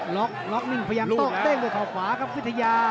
ล็อกล็อกนิ่งพยายามโต้เด้งด้วยเขาขวาครับวิทยา